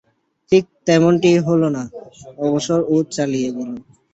ঠিক তেমনটি হইল না– অবসরও চলিয়া গেল।